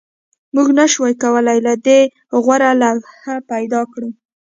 موږ نشوای کولی له دې غوره لوحه پیدا کړو